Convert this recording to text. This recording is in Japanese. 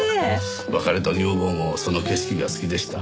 別れた女房もその景色が好きでした。